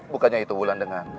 bukannya itu bulan dengan